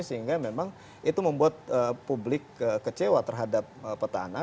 sehingga memang itu membuat publik kecewa terhadap petahana